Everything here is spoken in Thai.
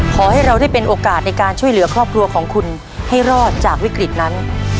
ขอให้เราได้เป็นโอกาสในการช่วยเหลือครอบครัวของคุณให้รอดจากวิกฤตนั้น